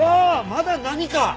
まだ何か！？